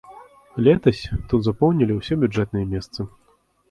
Летась тут запоўнілі ўсе бюджэтныя месцы.